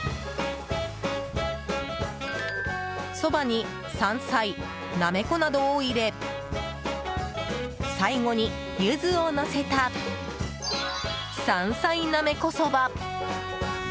そばに山菜、なめこなどを入れ最後に、ゆずをのせた山菜なめこそば。